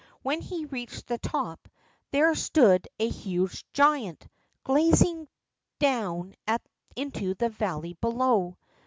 When he reached the top, there stood a huge giant, gazing down into the valley below.